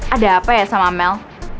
ada apa ya sama amel